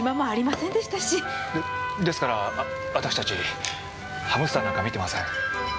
でですから私たちハムスターなんか見てません。